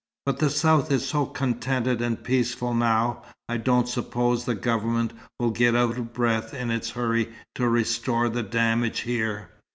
But the South is so contented and peaceful now, I don't suppose the Government will get out of breath in its hurry to restore the damage here."